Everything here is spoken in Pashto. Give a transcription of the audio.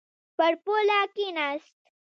پر پوله کښېناست.